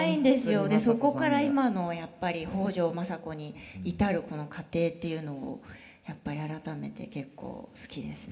そこから今のやっぱり北条政子に至るこの過程っていうのをやっぱり改めて結構好きですね